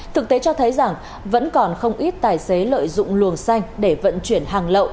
thực tế cho thấy rằng vẫn còn không ít tài xế lợi dụng luồng xanh để vận chuyển hàng lậu